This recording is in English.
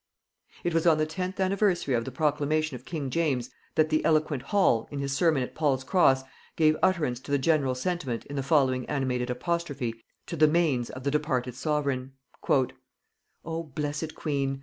It was on the tenth anniversary of the proclamation of king James that the eloquent Hall, in his sermon at Paul's Cross, gave utterance to the general sentiment in the following animated apostrophe to the manes of the departed sovereign: "O blessed queen!